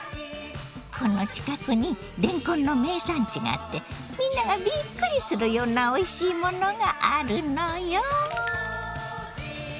この近くにれんこんの名産地があってみんながびっくりするようなおいしいものがあるのよ！